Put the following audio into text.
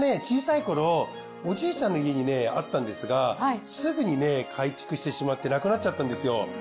小さい頃おじいちゃんの家にねあったんですがすぐにね改築してしまってなくなっちゃったんですよ。